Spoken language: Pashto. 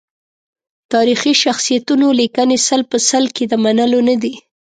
تاریخي شخصیتونو لیکنې سل په سل کې د منلو ندي.